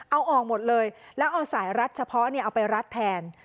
เอาออกหมดเลยแล้วเอาสายรัดเฉพาะเอาไปรัดแทน